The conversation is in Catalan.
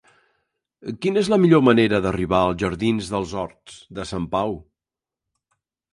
Quina és la millor manera d'arribar als jardins dels Horts de Sant Pau?